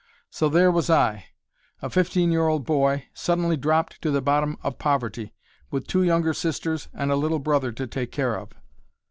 So there was I, a fifteen year old boy, suddenly dropped to the bottom of poverty, with two younger sisters and a little brother to take care of.